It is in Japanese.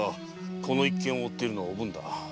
この一件を追っているのはおぶんだ。